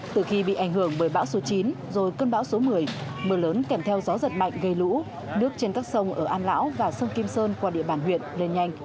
từ khi bị ảnh hưởng bởi bão số chín rồi cơn bão số một mươi mưa lớn kèm theo gió giật mạnh gây lũ nước trên các sông ở an lão và sông kim sơn qua địa bàn huyện lên nhanh